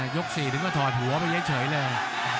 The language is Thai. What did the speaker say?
ยกสี่ต้องถอดหัวไปเยอะเฉยเลย